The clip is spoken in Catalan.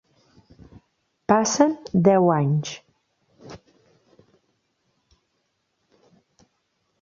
Passen deu anys.